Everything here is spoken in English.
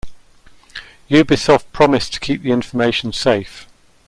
Ubisoft promised to keep the information safe.